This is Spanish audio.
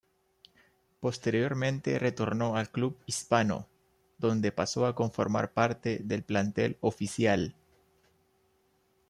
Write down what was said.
Posteriormente retornó al club hispano, donde pasó a conformar parte del plantel oficial.